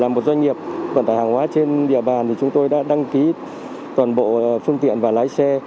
một doanh nghiệp vận tải hàng hóa trên địa bàn thì chúng tôi đã đăng ký toàn bộ phương tiện và lái xe